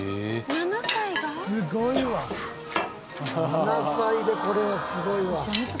７歳でこれはすごいわ。